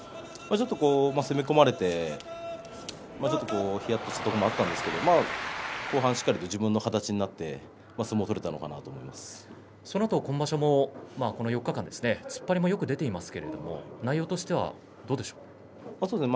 ちょっと攻められてひやっとしたところもあったんですけれども、後半しっかりと自分の形になってそのあと、この４日間突っ張りがよく出ていますが内容としてはどうでしょうか。